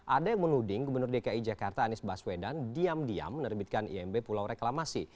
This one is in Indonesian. ada yang menuding gubernur dki jakarta anies baswedan diam diam menerbitkan imb pulau reklamasi